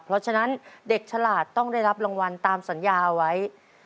เพราะฉะนั้นเด็กฉลาดต้องได้รับรางวัลตามสัญญาเอาไว้